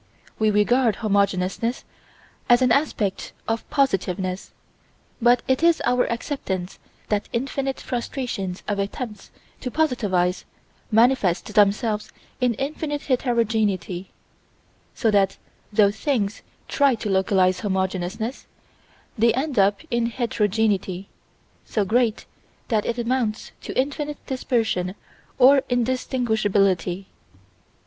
We regard homogeneousness as an aspect of positiveness, but it is our acceptance that infinite frustrations of attempts to positivize manifest themselves in infinite heterogeneity: so that though things try to localize homogeneousness they end up in heterogeneity so great that it amounts to infinite dispersion or indistinguishability.